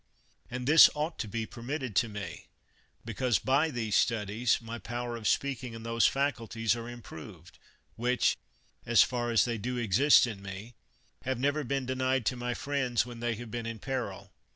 And this ought to be permitted to me, because by these studies my power of speaking, and those faculties are improved, which, as far as they do exist in me, have never been denied to my friends when they have been in peril.